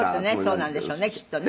そうなんでしょうねきっとね」